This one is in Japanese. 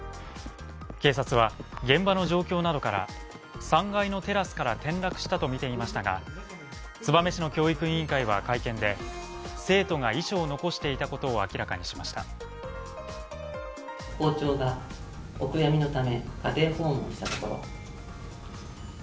警察は現場の状況などから３階のテラスから転落したとみていましたが、燕市の教育委員会は会見で、生徒が遺書を残していたことを明らかにしました。